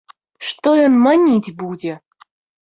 Што ён маніць будзе?!